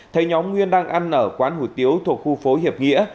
thấy nhóm nguyên đang ăn ở quán hủ tiếu thuộc khu phố hiệp nghĩa